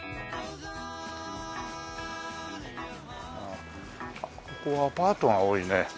ああここはアパートが多いね。